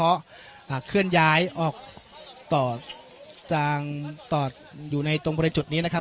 ก็เคลื่อนย้ายออกต่อจางต่ออยู่ในตรงบริเวณจุดนี้นะครับ